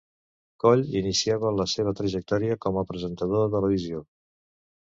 Coll iniciava la seva trajectòria com a presentador de televisió.